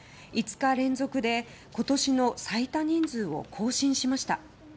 ５日連続で今年の最多人数を更新しました。